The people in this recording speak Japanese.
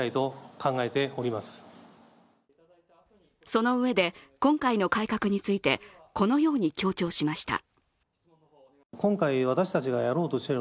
そのうえで今回の改革についてこのように強調しました。